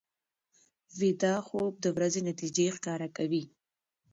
ویده خوب د ورځې نتیجې ښکاره کوي